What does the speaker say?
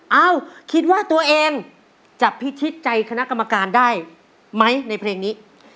เอ้าคิดว่าตัวเองจะพิชิตใจคณะกรรมการได้ไหมในเพลงนี้